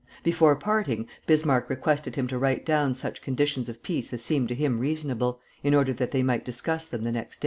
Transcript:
Before parting, Bismarck requested him to write down such conditions of peace as seemed to him reasonable, in order that they might discuss them the next day.